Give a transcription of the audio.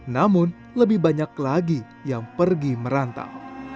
namun lebih banyak lagi yang pergi merantau